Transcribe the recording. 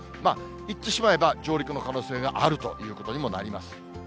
いってしまえば、上陸の可能性があるということにもなります。